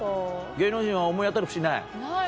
芸能人は思い当たる節ない？ないね。